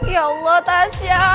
ya allah tasya